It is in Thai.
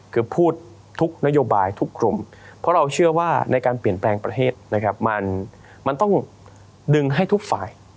คือพูดทุกนโยบายทุกกลุ่มเพราะเราเชื่อว่าในการเปลี่ยนแปลงประเทศนะครับมันต้องดึงให้ทุกฝ่าย